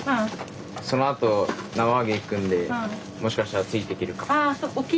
そのあと縄上げ行くんでもしかしたらついていけるかも。